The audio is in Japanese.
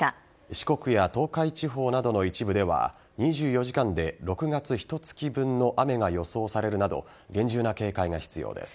四国や東海地方などの一部では２４時間で６月ひと月分の雨が予想されるなど厳重な警戒が必要です。